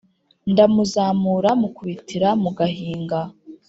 ndamuzamura mukubitira mu gahinga,